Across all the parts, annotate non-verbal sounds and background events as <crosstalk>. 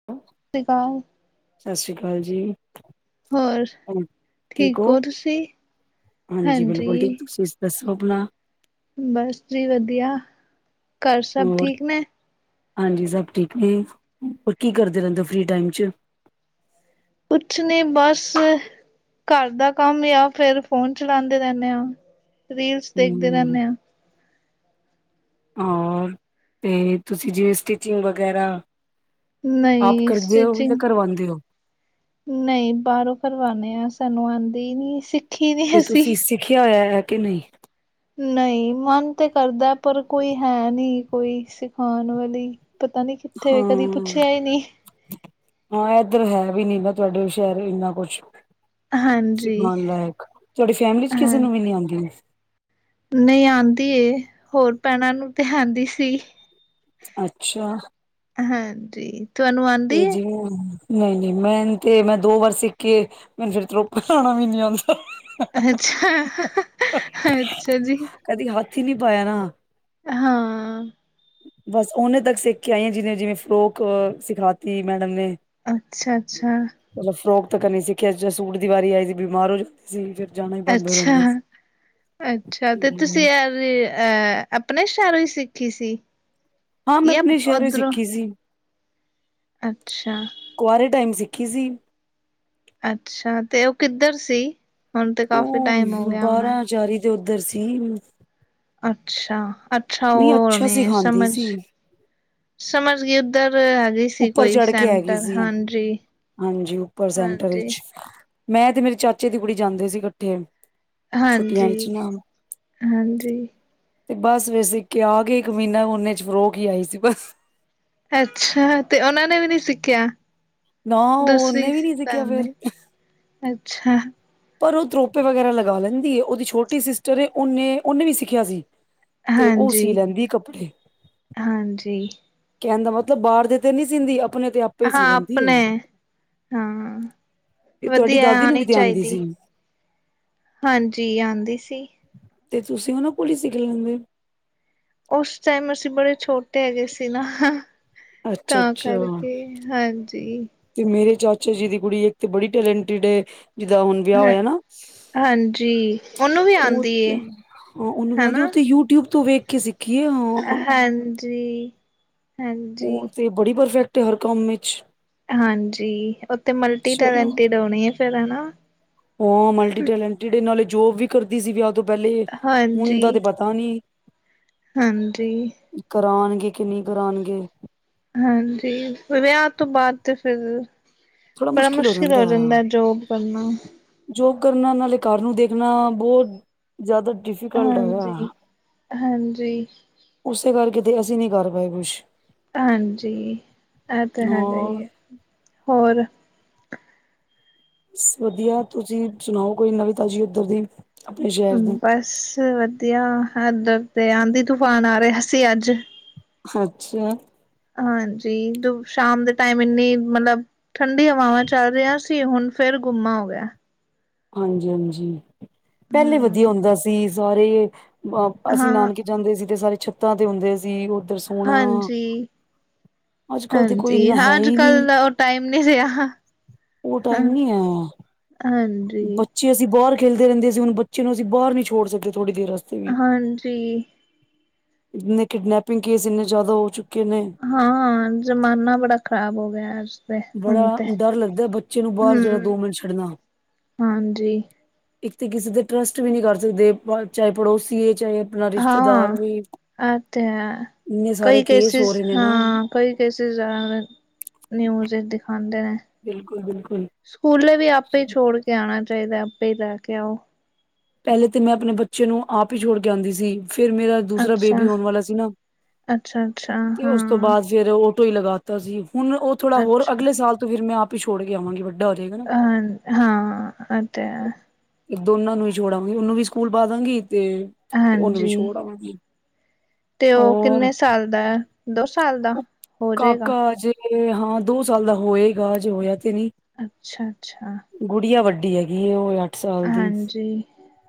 <inaudible> ਸ੍ਰੀਕਾਲ। ਸਾਸੀ ਕਾਲ ਜੀ। ਹੋਰ ਠੀਕ ਓ? ਹੋ ਤੁਸੀਂ ਹਾਂਜੀ, ਬਿਲਕੁਲ ਠੀਕ ਤੁਸੀਂ ਦੱਸੋ ਅਪਣਾ। ਬਸ ਜੀ ਵਦੀਆ ਘਰ ਸਬ ਹੋਰ ਠੀਕ ਨੇ। ਹਾਂਜੀ ਸਭ ਠੀਕ ਨੇ ਹੋਰ ਕੀ ਕਰਦੇ ਰੈਂਦੇ ਓ ਫ੍ਰੀ ਟਾਈਮ ਚ। ਕੁਛ ਨੀ ਬਸ ਘਰ ਦਾ ਕੰਮ ਯਾ ਫੇਰ ਫੋਨ ਚਲਾਂਦੇ ਰੈਨੇ ਆ। ਰੀਲਸ ਦੇਖਦੇ ਹੂੰ। ਰਹਿੰਦੇ ਆ ਹੋਰ, ਤੇ ਤੁਸੀਂ ਜਿਵੇਂ ਸਟਿਚਿੰਗ ਵਗੈਰਾ ਆਪ ਨਹੀਂ ਕਰਦੇ ਓ, ਓਵੀ ਤਾ ਕਰਵਾਂਦੇ ਓ? ਨਈ ਬਾਰੋਂ ਕਰਵਾਨੇ ਆ ਸਾਨੂੰ ਆਂਦੀ ਨੀ‌ ਸੀ। ਫੇਰ ਤੁਸੀਂ ਸਿਖਿਆ ਹੋਇਆ ਐ ਕਿ ਨਈ। ਨਈ, ਮਨ ਤੇ ਕਰਦਾ ਪਰ ਕੋਈ ਹੈ ਨਈ ਕੋਈ ਸਿਖਾਣ ਵਾਲੀ। ਪਤਾ ਨੀ ਕਿੱਥੇ ਕਦੀ ਹਾਂ। ਪੁੱਛਿਆ ਹੀ ਨਹੀਂ ਹਾਂ ਇੱਧਰ ਹੈ ਵੀ ਨੀ ਨਾ ਤੁਆਡੇ ਸ਼ਹਿਰ ਇੰਨਾ ਕੁਛ ਹਾਂਜੀ ਸਿਖਾਣ ਲਾਇਕ। ਤੁਆਡੀ ਫੈਮਿਲੀ ਚ ਕਿਸੇ ਨੂੰ ਵੀ ਨੀ ਆਂਦੀ। ਨਈ ਆਂਦੀ ਏ ਹੋਰ ਭੈਣਾਂ ਨੂੰ ਤੇ ਆਂਦੀ ਸੀ। ਅੱਛਾ ਹਾਂਜੀ, ਤੁਆਨੂੰ ਆਂਦੀ ਏ। <unintelligible> ਨਈ-ਨਈ ਮੈਨ ਤੇ ਮੈਂ ਦੋ ਵਾਰ ਸਿੱਖੀ ਏ ਮੈਨ ਫੇਰ ਤਰੋਪਾ ਲਾਣਾ ਵੀ ਨੀ ਆਂਦਾ। ਅੱਛਾ! ਅੱਛਾ ਜੀ। ਕਦੀ ਹੱਥ ਈ ਨੀ ਪਾਇਆ ਨਾ। ਹਾਂ ਬਸ ਓਨੇ ਤੱਕ ਸਿੱਖ ਕੇ ਆਈ ਆ ਜਿਨੇ ਜਿਵੇਂ ਫਰੋਕ ਸਿਖਾਤੀ ਮੈਡਮ ਨੇ ਅੱਛਾ ਅੱਛਾ ਚਲੋ ਫਰੋਕ ਤੱਕਨ ਈ ਸਿੱਖਿਆ ਸੀ। ਜਦੋਂ ਸੂਟ ਦੀ ਵਾਰੀ ਆਈ ਸੀ ਬਿਮਾਰ ਹੋ ਜਾ ਜ ਫਿਰ ਜਾਣਾ ਹੀ ਬੰਦ ਹੋ ਅੱਛਾ ਜਾਂਦਾ ਸੀ ਅੱਛਾ ਤੇ ਤੁਸੀਂ ਯਾਰ ਅਹ ਆਪਣੇ ਸ਼ਹਿਰੋਂ ਹੀ ਸਿੱਖੀ ਸੀ? ਹਾਂ ਮੈਂ ਜਾਂ ਆਪਣੇ ਸ਼ਹਿਰ ਵਿੱਚ ਉੱਧਰੋਂ ਸਿੱਖੀ ਸੀ ਅੱਛਾ ਕੁਆਰੇ ਟਾਈਮ ਸਿੱਖੀ ਸੀ ਅੱਛਾ ਤੇ ਉਹ ਕਿੱਧਰ ਸੀ? ਹੁਣ ਤੇ ਕਾਫ਼ੀ ਟਾਈਮ ਹੋ ਗਿਆ ਹੋਣਾ। ਤੇ ਉੱਧਰ ਸੀ। ਅੱਛਾ ਅੱਛਾ ਉਹ ਹੋਰ ਅੱਛਾ ਨੀ ਸਿਖਾਉਂਦੀ ਸਮਝ, ਸੀ ਸਮਝ ਗਈ ਉੱਧਰ ਹੈਗੀ ਸੀ ਉੱਪਰ ਕੋਈ ਚੜ੍ਹ ਕੇ ਹੈਗੀ ਸੈਂਟਰ ਸੀ ਹਾਂਜੀ। ਹਾਂਜੀ ਉੱਪਰ ਸੈਂਟਰ ਹਾਂਜੀ, ਵਿਚ ਮੈਂ ਤੇ ਮੇਰੀ ਚਾਚੇ ਦੀ ਕੁੜੀ ਜਾਂਦੀ ਸੀ ਇਕੱਠੇ ਛੁੱਟੀਆਂ ਚ ਹਾਂਜੀ, ਨ ਹਾਂਜੀ। ਤੇ ਬਸ ਵੇ ਸਿੱ ਆ ਕੇ ਇੱਕ ਮਹੀਨਾ ਨੇ ਚ ਫਰੋਕ ਹੀ ਆਈ ਸੀ ਬਸ ਅੱਛਾ ਤੇ ਉਹਨਾਂ ਨੇ ਵੀ ਨੀ ਸਿੱਖਿਆ ਨਾ ਉਹ ਉਹਨੇ ਦੂਸਰੀ ਵੀ ਨੀ ਸਿੱਖਿਆ ਭੈਣ ਨੇ ਫੇਰ ਅੱਛਾ ਪਰ ਉਹ ਤਰੋਪੇ ਵਗੈਰਾ ਲਗਾ ਲੈਂਦੀ, ਉਹਦੀ ਛੋਟੀ ਸਿਸਟਰ ਐ। ਉਹਨੇ ਉਹਨੇ ਵੀ ਸਿੱਖਿਆ ਸੀ। ਤੇ ਉਹ ਸੀ ਹਾਂਜੀ, ਲੈਂਦੀ ਕੱਪੜੇ। ਹਾਂਜੀ ਕਹਿੰਦਾ ਮਤਲਬ ਬਾਹਰ ਦੇ ਤੇ ਨਹੀਂ ਸੀਂਦੀ ਆਪਣੇ ਤੇ ਹੀ ਸੀ ਹਾਂ ਲੈਂਦੀ ਹੈ ਆਪਣੇ ਹਾਂ ਤੇ ਤੁਹਾਡੀ ਵਧੀਆ ਦਾਦੀ ਨੂੰ ਆਉਣੀ ਵੀ ਤੇ ਆਂਦੀ ਚਾਹੀਦੀ ਸੀ ਹਾਂਜੀ ਆਂਦੀ ਸੀ। ਤੇ ਤੁਸੀਂ ਉਹਨਾਂ ਕੋਲ ਹੀ ਸਿੱਖ ਲੈਂਦੇ। ਉਸ ਟਾਈਮ ਅਸੀਂ ਬੜੇ ਛੋਟੇ ਹੈਗੇ ਸੀ ਨਾ ਹਾਂ। ਅੱਛਾ ਤਾਂ ਅੱਛਾ ਕਰਕੇ ਹਾਂਜੀ ਤੇ ਮੇਰੇ ਚਾਚਾ ਜੀ ਦੀ ਕੁੜੀ ਇੱਕ ਤੇ ਬੜੀ ਟੈਲੈਂਟਡ ਹੈ ਜਿਦਾ ਹੁਣ ਹ ਵਿਆਹ ਹੋਇਆ ਨਾ। ਹਾਂਜੀ ਉਹਨੂੰ ਵੀ ਉਹ ਆਂਦੀ ਤੇ ਏ ਹਾਂ ਉਹਨੂੰ ਵੀ ਆਂਦੀ। ਉਹ ਹਨਾ। ਤੇ ਯੂਟਿਊਬ ਤੋਂ ਵੇਖ ਕੇ ਸਿੱਖੀ ਏ ਹਾਂ ਹਾਂਜੀ ਹਾਂਜੀ ਉਹ ਤੇ ਬੜੀ ਪਰਫੈਕਟ ਹੈ ਹਰ ਕੰਮ ਵਿੱਚ ਹਾਂਜੀ ਉੱਥੇ ਮਲਟੀ ਚਲੋ ਟੈਲੈਂਟਿਡ ਆਉਣੀ ਹੈ ਫਿਰ ਹਨਾ ਉਹ ਮਲਟੀ ਟੈਲੈਂਟਿਡ ਇਹ ਨਾਲੇ ਜੋਬ ਵੀ ਕਰਦੀ ਸੀ ਵੀਆਹ ਤੋਂ ਪਹਿਲੇ ਹੁਣ ਦਾ ਹਾਂਜੀ, ਤੇ ਪਤਾ ਨਹੀਂ ਹਾਂਜੀ ਕਰਾਣਗੇ ਕਿ ਨਹੀਂ ਕਰਾਉਣਗੇ? ਹਾਂਜੀ ਵਿਆਹ ਤੋਂ ਬਾਅਦ ਤੇ ਫਿਰ ਬੜਾ ਮੁਸ਼ਕਿਲ ਹੋ ਜਾਂਦਾ ਜੋਬ ਕਰਨਾ ਜੋਬ ਕਰਨਾ ਨਾਲੇ ਘਰ ਨੂੰ ਦੇਖਣਾ ਬਹੁਤ ਜ਼ਿਆਦਾ ਡਿਫੀਕਲਟ ਹੈਗਾ। ਹਾਂਜੀ। ਹਾਂਜੀ, ਉਸੇ ਕਰਕੇ ਤੇ ਅਸੀਂ ਨਹੀਂ ਕਰ ਪਾਏ ਕੁਛ। ਹਾਂਜੀ ਇਹ ਤਾਂ ਹੈਗਾ ਹਾਂ ਹੀ ਹੋਰ ਬਸ ਵਧੀਆ ਤੁਸੀਂ ਸੁਣਾਓ ਕੋਈ ਨਵੀਂ ਤਾਜ਼ੀ ਉੱਧਰ ਦੀ ਆਪਣੇ ਸ਼ਹਿਰ ਦੀ। ਬੱਸ ਵਧੀਆ ਐਦਰ ਤੇ ਆਂਦੀ ਤੂਫਾਨ ਆ ਰਹਿਆ ਸੀ ਅੱਜ। ਅੱਛਾ। ਹਾਂਜੀ ਜੋ ਸ਼ਾਮ ਦੇ ਟਾਈਮ ਇੰਨੀ ਮਤਲਬ ਠੰਢੀ ਹਵਾਵਾਂ ਚੱਲ ਰਹੀਆਂ ਸੀ ਹੁਣ ਫੇਰ ਗੁੰਮਾ ਹੋ ਗਿਆ ਐ। ਹਾਂਜੀ ਹਾਂਜੀ ਪਹਿਲੇ ਵਧੀਆ ਹੂੰ, ਹੁੰਦਾ ਸੀ ਸਾਰੇ ਅਸੀਂ ਹਾਂ। ਨਾਨਕੇ ਜਾਂਦੇ ਸੀ ਤੇ ਸਾਰੇ ਛੱਤਾਂ ਤੇ ਹੁੰਦੇ ਸੀ ਉੱਧਰ ਸੋਣਾ ਹਾਂਜੀ। ਅੱਜ ਕੱਲ ਤੇ ਕੋਈ ਹਾਂਜੀ ਇੰਨਾ ਹੈ ਅੱਜ ਹੀ ਕੱਲ ਨਹੀਂ ਦਾ ਉਹ ਟਾਈਮ ਨਹੀਂ ਰਿਹਾ। ਉਹ ਟਾਈਮ ਨੀ ਆਇਆ ਹਾਂਡ। ਬੱਚੇ ਅਸੀਂ ਬਾਰ ਖੇਲਦੇ ਰੇਂਦੇ ਸੀ, ਹੁਨ ਬੱਚੇ ਨੂੰ ਅਸੀਂ ਬਾਰ ਨੀ ਛੋੜ ਸਕਦੇ ਥੋੜ੍ਹੀ ਦੇਰ ਆਸ ਹਾਂਜੀ। ਇਨੇ ਕਿਡਨੈਪਿੰਗ ਕੇਸ ਇੰਨੇ ਜ਼ਿਆਦਾ ਹੋ ਚੁੱਕੇ ਨੇ। ਹਾਂ ਜ਼ਮਾਨਾ ਬੜਾ ਖ਼ਰਾਬ ਹੋ ਗਿਆ ਅੱਜ ਤੇ। ਤੇ। ਹਾਂ, ਡਰ ਲੱਗਦਾਏ ਬੱ ਚੇ ਨੂੰ ਬਾਹਰ ਜਰਾ ਹੂੰ, ਦੋ ਮਿੰਟ ਛੱਡਣਾ। ਹਾਂਜੀ। ਇੱਕ ਤੇ ਕਿਸੇ ਦੇ ਟਰਸਟ ਵੀ ਨੀ ਕਰ ਸਕਦੇ, ਚਾਹੇ ਪੜੋਸੀ ਐ ਚਾਹੇ ਆਪਣਾ ਰਿਸ਼ਤੇਦਾਰ ਹਾਂ, ਵੀ ਆ ਤੇ ਹੈ, ਇੰਨੇ ਸਾਰੇ ਕਈ ਕੇਸ ਹੋ ਕੇਸਿਸ ਰਹੇ ਨੇ ਨਾ ਹਾਂ। ਕੋਈ ਕੇਸਜ ਜ਼ਿਆਦਾਤਰ ਨਿਊਜ਼ ਏਚ ਦਿਖਾਂਦੇ ਨੇ। ਬਿਲਕੁਲ-ਬਿਲਕੁਲ। ਸਕੂਲੇ ਵੀ ਆਪੇ ਛੋੜ ਕੇ ਆਣਾ ਚਾਹੀਦਾਏ, ਆਪੇ ਲੈ ਕੇ ਆਓ। ਪਹਿਲੇ ਤੇ ਮੈਂ ਆਪਣੇ ਬੱਚੇ ਨੂੰ ਆਪ ਹੀ ਛੋੜ ਕੇ ਆਂਦੀ ਸੀ, ਫਿਰ ਮੇਰਾ ਦੂਸਰਾ ਅੱਛਾ, ਬੇਬੀ ਹੋਨ ਵਾਲਾ ਸੀ ਨਾ, ਅੱਛਾ, ਅੱਛਾ ਤੇ ਉਸ ਤੋਂ ਹਾਂ, ਬਾਦ। ਫੇਰ ਔਟੋ ਈ ਲਗਾ ਤਾ ਸੀ। ਹੁਣ ਉਹ ਥੋੜਾ ਹੋਰ ਅੱਛਾ। ਅਗਲੇ ਸਾਲ ਤੋਂ ਫਿਰ ਮੈਂ ਆਪ ਹੀ ਛੋੜ ਕੇ ਆਵਾਂਗੀ ਵ ਅਨ ਹਾਂ ਐ ਤੇ ਹੈ। ਦੋਨਾਂ ਨੂੰ ਈ ਛੋੜ ਆਵਾਂਗੀ ਉਹਨੂੰ ਵੀ ਸਕੂਲ ਪਾ ਦਾਂਗੀ ਤੇ ਉਹਨੂੰ ਵੀ ਹਾਂਜੀ ਛੋੜ ਆਵਾਂਗੀ। ਤੇ ਉਹ ਔਰ ਕਿੰਨੇ ਸਾਲ ਦਾ ਐ, ਦੋ ਸਾਲ ਦਾ ਹੋ ਜਾਏਗਾ। ਤੇ ਹਾਂ ਦੋ ਸਾਲ ਦਾ ਹੋਏਗਾ ਅਜੇ ਹੋਇਆ ਤੇ ਨੀ। ਅੱਛਾ-ਅੱਛਾ। ਗੁੜੀਆ ਵੱਡੀ ਹੈਗੀਏ। ਉਹ ਏ ਅੱਠ ਸਾਲ ਦੀ। ਹਾਂਜੀ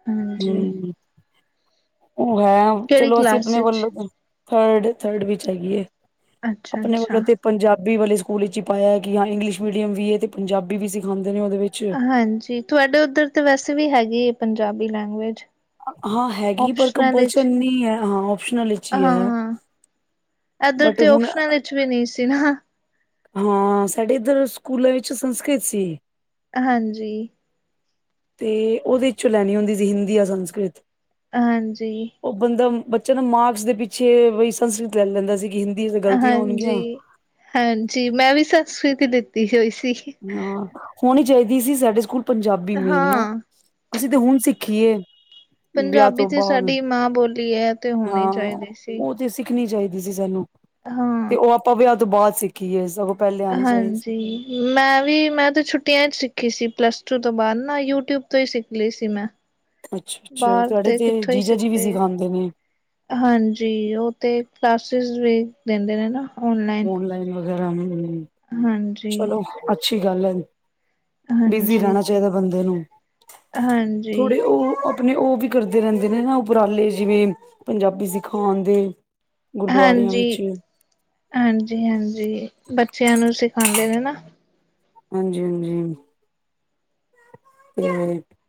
ਹਾਂਜੀ। ਹੂੰ, ਉਹ ਹੈ, ਕਿਹੜੀ ਚਲੋ ਅਸੀਂ ਕਲਾਸ ਆਪਨੇ ਵਿੱਚ ਵੱਲੋਂ ਤਾ। ਥਰਡ-ਥਰਡ ਵਿਚ ਹੈਗੀ ਏ। ਅੱਛਾ ਅਪਣੇ ਅੱਛਾ ਵੱਲੋਂ ਤੇ ਪੰਜਾਬੀ ਵਾਲੇ ਸਕੂਲ ਈਚ ਈ ਪਾਇਆ ਹੈ ਕਿ ਹਾਂ ਇੰਗਲਿਸ਼ ਮੀਡੀਅਮ ਵੀ ਐ ਤੇ ਪੰਜਾਬੀ ਵੀ ਸਿਖਾਨਦੇ ਨੇ ਉਹਦੇ ਵਿੱਚ। ਹਾਂਜੀ, ਤੁਹਾਡੇ ਉੱਧਰ ਤਾਂ ਵੈਸੇ ਵੀ ਹੈਗੀ ਹੈ ਪੰਜਾਬੀ ਲੈਂਗੁਏਜ ਹਾਂ ਹੈਗੀ ਪਰ ਓਪਸ਼ਨਲ ਵਿੱਚ ਕੰਪਲਸ਼ਨ ਨੀ ਹੈ, ਹਾਂ ਓਪਸ਼ਨਲ ਵਿੱਚ ਹੀ ਹੈ ਹਾਂ, ਏਧਰ ਬਟ ਤੇ ਹੁਣ ਓਪਸ਼ਨਲ ਈਚ ਵੀ ਨਈ ਸੀ ਨਾ। ਹਾਂ ਸਾਡੇ ਏਧਰ ਸਕੂਲਾਂ ਵਿੱਚ ਸੰਸਕ੍ਰਿਤ ਸੀ। ਹਾਂਜੀ। ਤੇ ਔਦੇ ਚੋਂ ਲੈਣੀ ਹੁੰਦੀ ਸੀ, ਹਿੰਦੀ ਯਾ ਸੰਸਕ੍ਰਿਤ। ਹਾਂਜੀ। ਉਹ ਬੰਦਾ ਬੱਚਾ ਨਾ ਮਾਕਸ ਦੇ ਪਿੱਛੇ ਬਈ ਸੰਸਕ੍ਰਿਤ ਲੈ ਲੈਂਦਾ ਸੀ ਕਿ ਹਿੰਦੀ ਚ ਗ਼ਲਤੀਆਂ ਹੋਣਗੀਆਂ। ਹਾਂਜੀ ਹਾਂਜੀ ਮੈਂ ਵੀ ਸਸਕ੍ਰਿਤੀ ਈ ਲਤੀ ਹੋਈ ਸੀ। ਹਾਂ ਹੋਨੀ ਚਾਹੀਦੀ ਸੀ ਸਾਡੇ ਸਕੂਲ ਪੰਜਾਬੀ ਮੇਨ ਨਾ, ਹਾਂ ਅਸੀਂ ਤੇ ਹੁਨ ਸਿੱਖੀਏ। ਵਿਆਹ ਪੰਜਾਬੀ ਤੋਂ ਤੇ ਬਾਅਦ ਸਾਡੀ ਮਾਂ ਬੋਲੀ ਐ ਤੇ ਹੋਣੀ ਚਾਹੀਦੀ ਸੀ। ਸਿੱਖਨੀ ਚਾਹੀਦੀ ਸੀ ਸਾਨੂੰ ਤੇ ਹਾਂ। ਉਹ ਆਪਾਂ ਵਿਆਹ ਤੋਂ ਬਾਦ ਸਿੱਖੀਏ ਸਗੋਂ ਪਹਿਲੇ ਆਣੀ ਚਾਹੀਦੀ ਸੀ। ਹਾਂਜੀ। ਮੈਂ ਵੀ, ਮੈਂ ਤੇ ਛੁੱਟੀਆਂ ਚ ਸਿੱਖੀ ਸੀ ਪਲੱਸ ਟੂ ਤੋਂ ਬਾਦ ਨਾ ਯੂਟਿਊਬ ਤੋਂ ਹੀ ਸਿੱਖ ਲਈ ਸੀ ਮੈਂ। ਅੱਛਾ-ਅੱਛਾ, ਬਾਹਰ ਤੁਹਾਡੇ ਤੇ ਕਿੱਥੋਂ ਹੀ ਜੀਜਾ ਜੀ ਵੀ ਸਿੱਖਦੇ ਸਿਖਾੰਦੇ ਨੇ। ਹਾਂਜੀ, ਉਹ ਤੇ ਕਲਾਸਿਸ ਵੀ ਦਿੰਦੇ ਨੇ ਨਾ। ਔਨਲਾਈਨ ਓਨਲਾਈਨ ਵਗੈਰਾ, ਹੁੰ-ਹੁੰ, ਹਾਂਜੀ। ਚਲੋ ਅੱਛੀ ਗੱਲ ਐ। ਬਿਜੀ ਹਾਂਜੀ, ਰਹਿਣਾ ਚਾਹੀਦਾ ਬੰਦੇ ਨੂੰ, ਹਾਂਜੀ, ਥੋੜੇ ਉਹ ਅ ਆਪਨੇ ਉਹ ਵੀ ਕਰਦੇ ਰੇਂਦੇ ਨੇ ਨਾ ਉਪਰਾਲੇ, ਜਿਵੇਂ ਪੰਜਾਬੀ ਸਿਖਾਨਦੇ। ਗੁਰਦੁਆਰਿਆਂ ਵਿੱਚ। ਹਾਂਜੀ-ਹਾਂਜੀ ਬੱਚਿਆਂ ਨੂੰ ਸਿਖਾਂਦੇ ਨੇ ਨਾ। ਹਾਂਜੀ-ਹਾਂਜੀ। <unintelligible>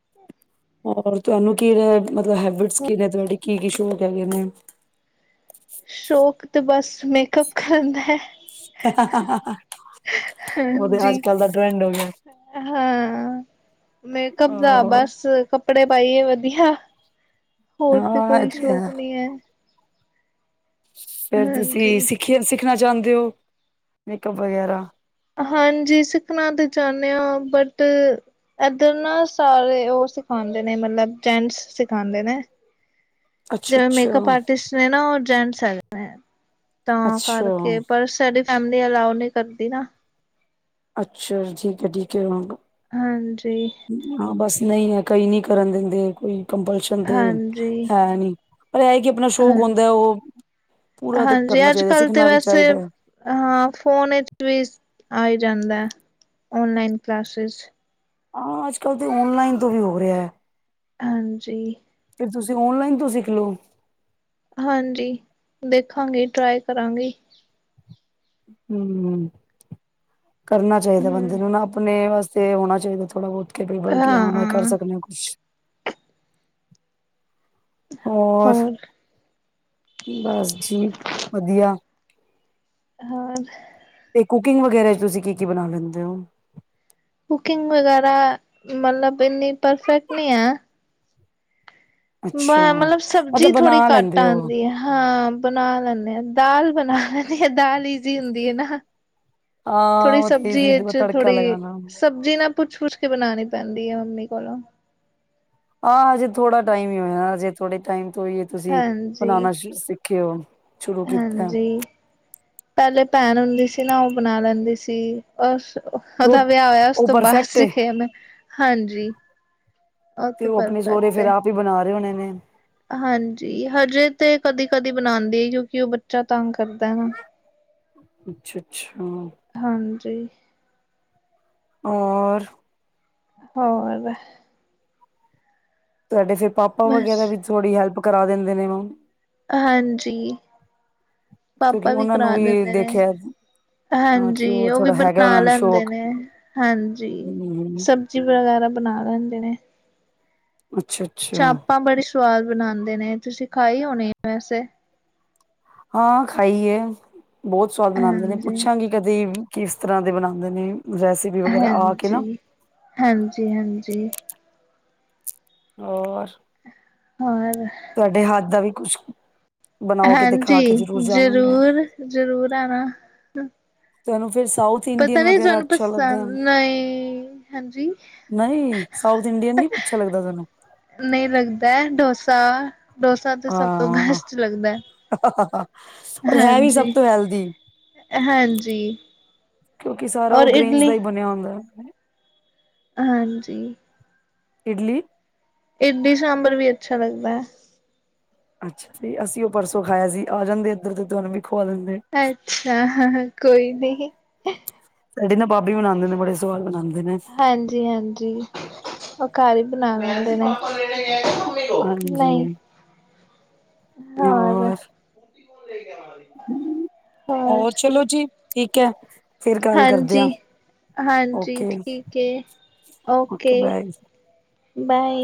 ਹੋਰ ਤੁਹਾਨੂੰ ਕੀ ਨੇ ਮਤਲਬ ਹੈਬਿਟਸ ਕੀ ਨੇ, ਤੁਹਾਡੀ ਕੀ-ਕੀ ਸ਼ੌਂਕ ਹੈਗੇ ਨੇ। ਸ਼ੌਕ ਤੇ ਬਸ ਮੇਕਅਪ ਕਰਨ ਦਾ ਹੈ। ਹਹਹਾਹਾ ਹਾਂਜੀ ਹਾਂ ਮੇਕਪ ਦਾ ਬਸ ਕੱਪੜੇ ਪਾਈਏ ਵਧੀਆ। ਹੋਰ ਤੇ ਕੋਈ ਸ਼ੌਕ ਨਹੀਂ ਹੈ। ਫਿਰ ਤੁਸੀਂ ਹਾਂਜੀ ਸਿੱਖੀ ਸਿੱਖਣਾ ਚਾਹੁੰਦੇ ਹੋ ਮੇਕਅਪ ਵਗੈਰਾ? ਹਾਂਜੀ ਸਿੱਖਣਾ ਤਾਂ ਚਾਹੁੰਦੇ ਹ ਬਟ ਇੱਧਰ ਨਾ ਸਾਰੇ ਉਹ ਸਿਖਾਉਂਦੇ ਨੇ ਮਤਲਬ ਟੈਨਸ ਸਿਖਾਉਂਦੇ ਨੇ। ਅੱਛਾ, ਜਿਵੇਂ ਅੱਛਾ, ਮੇਕਅਪ ਆਰਟਿਸਟ ਨੇ ਨਾ ਉਹ ਜੇਂਟਸ ਏ। ਤਾਂ ਅੱਛਾ, ਕਰਕੇ ਪਰ ਸਾਡੀ ਫੈਮਿਲੀ ਅਲਾਓ ਨਹੀਂ ਕਰਦੀ ਨਾ। ਅੱਛਾ ਠੀਕ ਹੈ ਠੀਕ ਹੈ ਹਾਂਜੀ ਹਾਂ ਬਸ ਨਹੀਂ ਹੈ ਕਈ ਨੀ ਕਰਨ ਦਿੰਦੇ ਕੋਈ ਕੰਪਲਸ਼ਨ ਤੇ ਹਾਂਜੀ ਹੈ ਨੀ। ਪਰ ਇਹ ਕਿ ਆਪਣਾ ਸ਼ੌਕ ਹਾਂਜੀ ਹੁੰਦਾ ਉਹ ਪੂਰਾ ਤੇ ਹਾਂਜੀ ਕਰਨਾ ਅੱਜ ਚਾਹੀਦਾ, ਕੱਲ ਤੇ ਸਿੱਖਣਾ ਵੀ ਵੈਸੇ ਚਾਹੀਦਾ ਹੈ। ਹਾਂ ਫੋਨ ਵਿੱਚ ਵੀ ਆਈ ਜਾਂਦਾ ਓਨਲਾਈਨ ਕਲਾਸਿਸ। ਹਾਂ ਅੱਜ-ਕੱਲ੍ਹ ਤੇ ਔਨਲਾਈਨ ਤੋਂ ਵੀ ਹੋ ਰਿਹਾ ਏ। ਹਾਂਜੀ। ਫਿਰ ਤੁਸੀਂ ਔਨਲਾਈਨ ਤੋਂ ਸਿੱਖ ਲਓ। ਹਾਂਜੀ ਦੇਖਾਂਗੇ ਟਰਾਈ ਕਰਾਂਗੇ ਹਮ ਕਰਨਾ ਚਾਹੀਦਾ ਬੰਦੇ ਹੂੰ, ਨੂੰ ਨਾ ਆਪਣੇ ਵਸਤੇ ਤੇ ਹੋਣਾ ਚਾਹੀਦਾ ਥੋੜਾ ਬਹੁਤ ਕੈਪਰੀਪੇਬਲ <inaudible> ਕਿ ਹਾਂ ਕਰ ਸਕਦੇ ਹ ਕੁਛ ਹੋਰ ਬਸ ਜੀ ਵਧੀਆ। ਹੋਰ? ਤੇ ਕੁਕਿੰਗ ਵਗੈਰਾ ਚ ਤੁਸੀਂ ਕੀ-ਕੀ ਬਣਾ ਲੈਂਦੇ ਹੋ? ਕੁਕਿੰਗ ਵਗੈਰਾ ਮਤਲਬ ਇੰਨੀ ਪਰਫੈਕਟ ਨਹੀਂ ਏ ਅੱਛਾ ਬਾ ਮਤਲਬ ਸਬਜ਼ੀ ਮਤਲਬ ਥੋੜ੍ਹੀ ਬਣਾ ਘੱਟ ਲੈਂਦੇ ਹੋ ਆਂਦੀ ਏ। ਹਾਂ ਬਣਾ ਲੈਂਦੇ ਹਾਂ ਦਾਲ ਬਣਾ ਲੈਂਦੇ ਹ ਦਾਲ ਜ਼ੀ ਹੁੰਦੀ ਹੈ ਨਾ। ਹਾਂ ਥੋੜੀ ਉਹ ਤੇ ਈਜ਼ੀ ਸਬਜ਼ੀ ਹੁੰਦੀ 'ਚ ਤੜਕਾ ਥੋੜੀ ਲਗਾਣਾ ਹੁੰਦਾ। ਸਬਜ਼ੀ ਨਾ ਪੁੱਛ-ਪੁੱਛ ਕੇ ਬਣਾਉਣੀ ਪੈਂਦੀ ਹੈ ਮੰਮੀ ਕੋਲੋਂ। ਆਹ ਹਜੇ ਥੋੜਾ ਟਾਈਮ ਹੀ ਹੋਇਆ ਹਜੇ ਥੋੜੇ ਟਾਈਮ ਤੋਂ ਹੀ ਤੁਸੀਂ ਹਾਂਜੀ, ਬਣਾਉਣਾ ਸਿੱਖੇ ਹੋ। ਸ਼ੁਰੂ ਕੀਤਾ ਹਾਂਜੀ ਪਹਿਲੇ ਭੈਣ ਹੁੰਦੀ ਸੀ, ਨਾ ਉਹ ਬਣਾ ਲੈਂਦੀ ਸੀ। ਉਸ ਤੇ ਉਹਦਾ ਉਹ ਵਿਆਹ ਹੋਇਆ ਉਸ ਉਹ ਤੋਂ ਬਾਅਦ ਪਰਫੈਕਟ ਏ ਸਖਿਆ ਮੈਂ ਹਾਂਜੀ। ਉਹ ਤੇ ਆਪਣੇ ਸਹੁਰੇ ਪਰਫੈਕਟ ਫੇਰ ਏ। ਆਪ ਬਣਾ ਰਹੇ ਹੋਣੇ ਨੇ? ਹਾਂਜੀ ਹਜੇ ਤੇ ਕਦੀ-ਕਦੀ ਬਣਾਉਂਦੀ ਆ ਕਿਉਂਕਿ ਉਹ ਬੱਚਾ ਤੰਗ ਕਰਦਾ ਏ ਨਾ ਅੱਛਾ-ਅੱਛਾ! ਹਾਂਜੀ ਹੋਰ ਹੋਰ ਤੁਡੇ ਫੇਿਰ ਪਾਪਾ ਬਸ ਵਗੈਰਾ ਵੀ ਥੋੜੀ ਹੈਲਪ ਕਰਾ ਦਿੰਦੇ ਨੇ ਮੈ ਹਾਂਜੀ ਕਿਉਂਕਿ ਪਾਪਾ ਵੀ ਉਹਨਾਂ ਨੂੰ ਕਰਾ ਵੀ ਦਿੰਦੇ ਨੇ। ਦੇਖਿਆ ਹਾਂ ਕਿ ਹਾਂਜੀ ਉਹ ਵੀ ਥੋੜਾ ਹੈਗਾ ਬਣਾ ਉਹਨਾਂ ਨੂੰ ਲੈਂਦੇ ਸ਼ੌਕ ਨੇ ਹਾਂਜੀ ਹਮ ਸਬਜ਼ ਜੀ ਵਗੈਰਾ ਬਣਾ ਲੈਂਦੇ ਨੇ। ਅੱਛਾ ਅੱਛਾ ਚਾਪਾਂ ਬੜੀ ਸਵਾਦ ਬਣਾਉਦੇ ਨੇ, ਤੁਸੀਂ ਖਾਈ ਹੋਣੀ ਵੈਸੇ? ਹਾਂ ਖਾਈ ਹੈ, ਬਹੁਤ ਸਵਾਦ ਬਣਾਉਂਦੇ ਨੇ ਹਾਂਜੀ ਪੁੱਛਾਂਗੇ ਕਦੇ ਕਿਸ ਤਰ੍ਹਾਂ ਦੇ ਬਣਾਉਂਦੇ ਨੇ ਰੈਸ- ਹਾਂਜੀ ਹਾਂਜੀ ਹਾਂਜੀ। ਹੋਰ? ਹੋਰ ਤੁਹਾਡੇ ਹੱਥ ਦਾ ਵੀ ਕੁਛ ਬਣਾਓ ਕੇ ਦਿਖਾ ਕੇ ਹਾਂਜੀ ਜ਼ਰੂਰ ਜਾਵਾਂਗੇ ਜ਼ਰੂਰ-ਜ਼ਰੂਰ ਆਣਾ। ਤੁਹਾਨੂੰ ਫਿਰ ਸਾਊਥ ਪਤਾ ਇੰਡੀਅਨ ਨਹੀਂ ਵਗੈਰਾ ਤੁਹਾਨੂੰ ਅੱਛਾ ਲੱਗਦਾ ਹੈ? ਪਸੰਦ ਨਈ, ਹਾਂਜੀ ਨਹੀਂ ਸਾਊਥ ਇੰਡੀਅਨ ਨਹੀ ਅੱਛਾ ਲੱਗਦਾ ਤੁਹਾਨੂੰ? ਨਹੀਂ ਲੱਗਦਾ ਡੋਸਾ, ਡੋਸਾ ਤਾਂ ਸਭ ਤੋਂ ਬੈਸਟ ਲੱਗਦਾ ਐ। ਹ ਹ ਹਾਂ ਔਰ ਹੈ ਵੀ ਸਭ ਹਾਂਜੀ, ਤੋਂ ਹੈਲਦੀ ਹਾਂਜੀ ਕਿਉਂਕਿ ਸਾਰਾ ਔਰ ਉਹ ਗ੍ਰੇਨਸ ਦਾ ਇਡਲੀ ਹੀ ਬਣਿਆ ਹੁੰਦਾ। ਹਾਂਜੀ। ਇਡਲੀ ਇਡਲੀ ਸਾਂਬਰ ਵੀ ਅੱਛਾ ਲੱਗਦਾ। ਅੱਛਾ ਜੀ, ਅਸੀਂ ਉਹ ਪਰਸੋਂ ਖਾਇਆ ਸੀ ਆ ਜਾਂਦੇ ਇੱਧਰ ਤੇ ਤੁਹਾਨੂੰ ਵੀ ਖੁਵਾ ਦਿੰਦੇ। ਅੱਛਾ ਹਾਂ ਕੋਈ ਨੀ ਸਾਡੇ ਨਾ ਬਾਬੀ ਬਣਾਉਂਦੇ ਨਾ ਬੜਾ ਸਵਾਦ ਬਣਾਉਂਦੇ ਨੇ। ਹਾਂਜੀ-ਹਾਂਜੀ, ਉਹ ਘਰ ਹੀ ਬਣਾ ਲੈਂਦੇ ਨੇ। ਹਾਂਜੀ ਨਹੀਂ ਹੋਰ? ਹੋਰ ਚਲੋ ਜੀ ਠੀਕ ਹੈ। ਫਿਰ ਕੱਲ ਕਰਦੇ ਹਾਂਜੀ ਆ, ਹਾਂਜੀ ਓਕੇ ਠੀਕ ਹੈ ਓ ਓਕੇ ਬਾਏ। ਬਾਏ।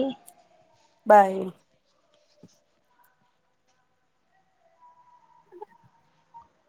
ਬਾਏ।